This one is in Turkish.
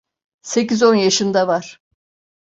Sekiz on yaşında var!